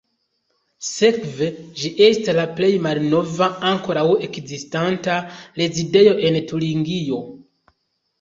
Sekve ĝi esta la plej malnova ankoraŭ ekzistanta rezidejo en Turingio.